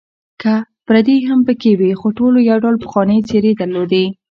که پردي هم پکې وې، خو ټولو یو ډول پخوانۍ څېرې درلودې.